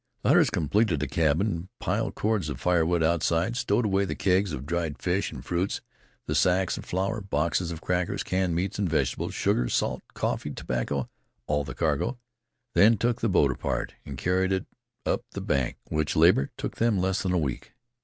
The hunters completed the cabin, piled cords of firewood outside, stowed away the kegs of dried fish and fruits, the sacks of flour, boxes of crackers, canned meats and vegetables, sugar, salt, coffee, tobacco all of the cargo; then took the boat apart and carried it up the bank, which labor took them less than a week.